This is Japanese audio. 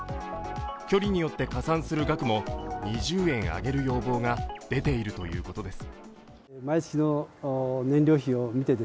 距離によって加算する額も２０円上げる要望が出ているということです。